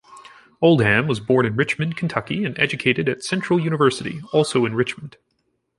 Oldham was born in Richmond, Kentucky and educated at Central University, also in Richmond.